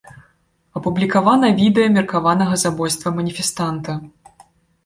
Апублікавана відэа меркаванага забойства маніфестанта.